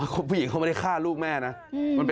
คุณผู้หญิงเขาไม่ได้ฆ่าลูกแม่นะ